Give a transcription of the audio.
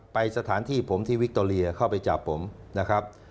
ไปสถานที่ผมที่วิคโตเรียเข้าไปจับผมนะครับ